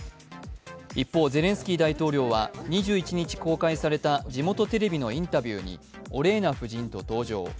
一方、ゼレンスキー大統領は２１日公開された地元テレビのインタビューに、オレーナ夫人と登場。